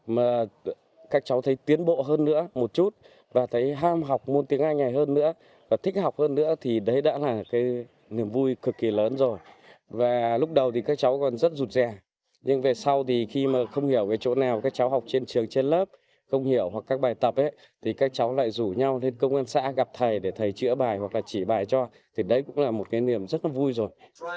mà các cháu thấy tiến bộ hơn nữa một chút và thấy ham học ngôn tiếng anh này hơn nữa và thích học hơn nữa thì đấy đã là cái niềm vui cực kỳ lớn rồi và lúc đầu thì các cháu còn rất rụt rè nhưng về sau thì khi mà không hiểu cái chỗ nào các cháu học trên trường trên lớp không hiểu hoặc các bài tập ấy thì các cháu lại rủ nhau lên công an xã gặp thầy để thầy chữa bài hoặc là chỉ bài cho thì đấy cũng là một cái niềm rất là vui rồi